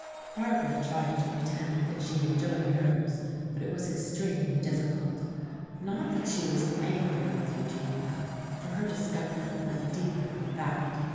Barbara tried to pretend that she enjoyed hers, but it was extremely difficult. Not that she was angry with Eugenia, for her discomfort went deeper than that.